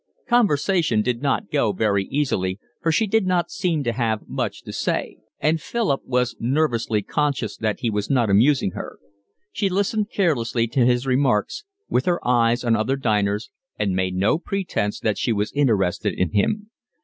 Conversation did not go very easily, for she did not seem to have much to say; and Philip was nervously conscious that he was not amusing her. She listened carelessly to his remarks, with her eyes on other diners, and made no pretence that she was interested in him.